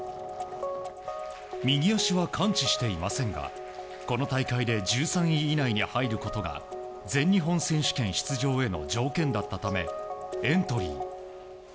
右足は完治していませんがこの大会で１３位以内に入ることが全日本選手権出場への条件だったためエントリー。